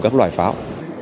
các loại pháo